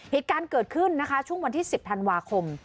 เหตุการณ์เกิดขึ้นนะคะช่วงวันที่๑๐ธันวาคม